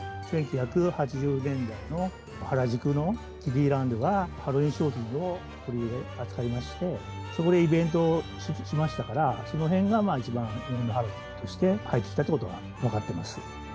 １９８０年代の原宿のキデイランドがハロウィーン商品を取り扱いまして、そこでイベントをしましたから、そのへんが一番、日本のハロウィーンとして入ってきたということが分かってます。